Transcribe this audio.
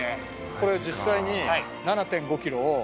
これ実際に。